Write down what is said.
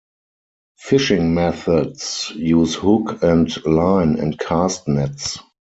Fishing methods use hook and line and cast nets.